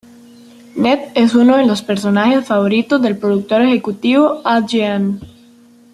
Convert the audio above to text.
Ned es uno de los personajes favoritos del productor ejecutivo Al Jean.